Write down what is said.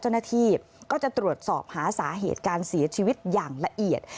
เจ้าหน้าที่ก็จะตรวจสอบหาสาเหตุการเสียชีวิตอย่างละเอียด